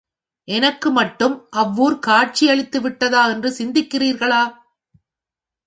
எனக்கு மட்டும் அவ்வூர் காட்சியளித்து விட்டதா என்று சிந்திக்கின்றீர்களா?